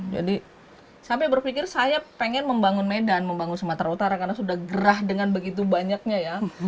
jadi sampai berpikir saya pengen membangun medan membangun sumatera utara karena sudah gerah dengan begitu banyaknya ya